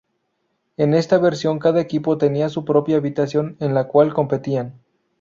En esta versión cada equipo tenía su propia habitación en la cual competían.